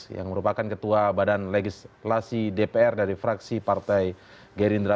yang merupakan ketua badan legislasi dpr dari fraksi partai gerindra